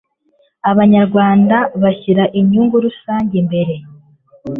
abanyarwanda bashyira inyungu rusange imbere